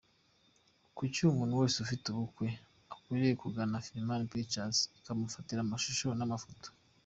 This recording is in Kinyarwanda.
Kuki umuntu wese ufite ubukwe akwiriye kugana Afrifame Pictures ikamufatira amashusho n’amafoto?.